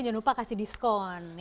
jangan lupa kasih diskon